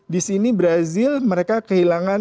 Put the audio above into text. di sini brazil mereka kehilangan